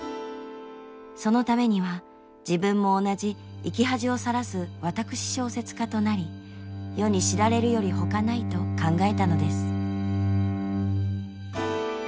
そのためには自分も同じ生き恥をさらす私小説家となり世に知られるよりほかないと考えたのです。